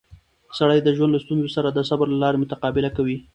سړی د ژوند له ستونزو سره د صبر له لارې مقابله کوي